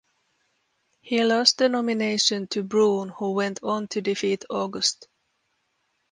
He lost the nomination to Brune, who went on to defeat August.